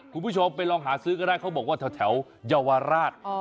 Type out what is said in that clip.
คุณผู้ชมไปลองหาซื้อก็ได้เขาบอกว่าแถวเยาวราช